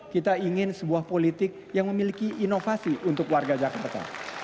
kita ingin sebuah politik yang memiliki inovasi untuk warga jakarta